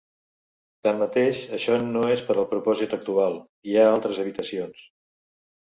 Tanmateix, això no és per al propòsit actual. Hi ha altres habitacions.